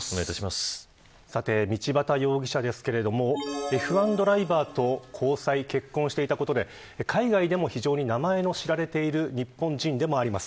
さて、道端容疑者ですけれどもＦ１ドライバーと交際、結婚していたことで海外でも非常に名前の知られている日本人でもあります。